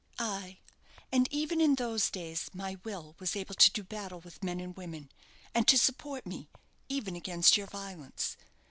"Aye; and even in those days my will was able to do battle with men and women, and to support me even against your violence.